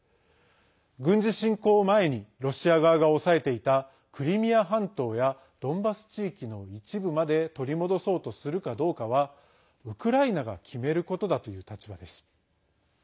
軍事侵攻前にロシア側がおさえていたクリミア半島やドンバス地域の一部まで取り戻そうとするかどうかはウクライナが決めることだという立場です。